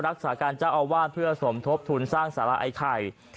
รักษาการเจ้าอาวาสเพื่อสมทบทุนสร้างสาระไอ้ไข่